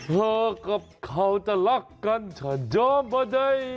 เธอกับเขาจะรักกันเฉยมาได้